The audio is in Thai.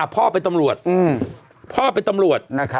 พ่อเป็นตำรวจ